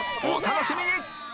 お楽しみに！